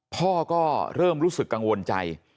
พ่อก็เริ่มรู้สึกกังวลใจ